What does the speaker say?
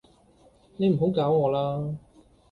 你唔好搞我喇